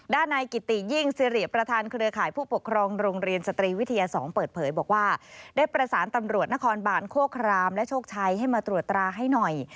ด้านนายกิติยิ่งสิริประธานเครือข่ายผู้ปกครองโรงเรียนสตรีวิทยา๒เปิดเผยบอกว่าได้ประสานตำรวจนครบานโคครามและโชคชัยให้มาตรวจตราให้หน่อย